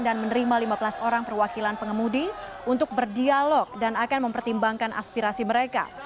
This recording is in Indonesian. dan menerima lima belas orang perwakilan pengemudi untuk berdialog dan akan mempertimbangkan aspirasi mereka